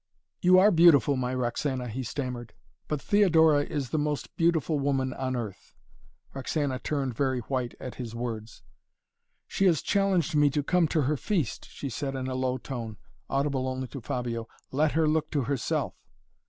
"You are beautiful, my Roxana," he stammered. "But Theodora is the most beautiful woman on earth." Roxana turned very white at his words. "She has challenged me to come to her feast," she said in a low tone, audible only to Fabio. "Let her look to herself!"